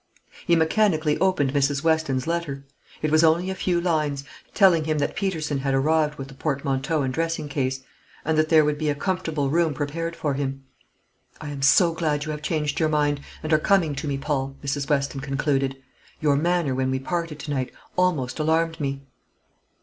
He mechanically opened Mrs. Weston's letter: it was only a few lines, telling him that Peterson had arrived with the portmanteau and dressing case, and that there would be a comfortable room prepared for him. "I am so glad you have changed your mind, and are coming to me, Paul," Mrs. Weston concluded. "Your manner, when we parted to night, almost alarmed me."